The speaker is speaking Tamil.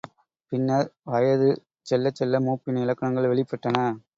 பின்னர், வயது செல்லச் செல்ல மூப்பின் இலக்கணங்கள் வெளிப்பட்டன.